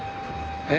え？